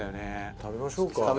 食べましょうか土瓶